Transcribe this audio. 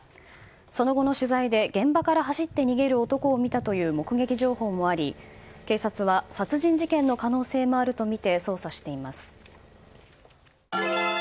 その後の取材で、現場から走って逃げる男を見たという目撃情報もあり、警察は殺人事件の可能性もあるとみて捜査しています。